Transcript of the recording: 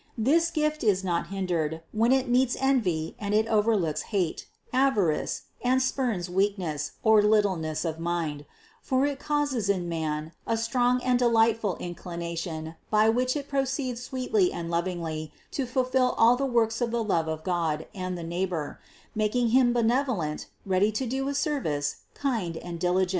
This gift is not hindered, when it meets envy and it overlooks hate, avarice, and spurns weakness, or littleness of mind; for it causes in man a strong and delightful inclination by which it proceeds sweetly and lovingly to fulfill all the works of the love of God and the neighbor, making him benevolent, ready to do a service, kind and diligent.